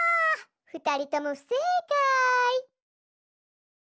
ふたりともふせいかい。